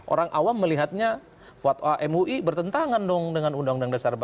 orang awam melihatnya mui bertentangan dong dengan undang undang dasar empat puluh